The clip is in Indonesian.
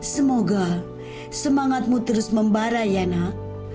semoga semangatmu terus membara ya nak